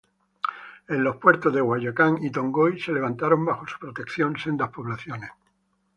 En los puertos de Guayacán y Tongoy se levantaron bajo su protección sendas poblaciones.